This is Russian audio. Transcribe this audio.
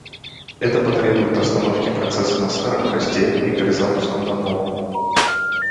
Это потребует остановки процесса на старом хосте и перезапуском на новом